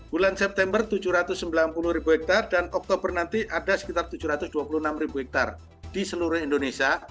bulan september tujuh ratus sembilan puluh ribu hektare dan oktober nanti ada sekitar tujuh ratus dua puluh enam ribu hektare di seluruh indonesia